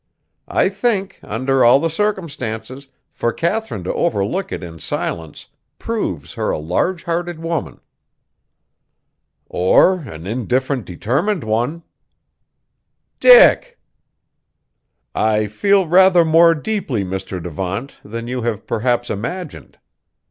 I think, under all the circumstances, for Katharine to overlook it in silence proves her a large hearted woman." "Or an indifferent, determined one!" "Dick!" "I feel rather more deeply, Mr. Devant, than you have, perhaps, imagined.